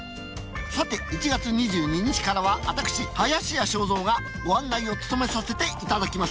さて１月２２日からは私林家正蔵がご案内を務めさせていただきます。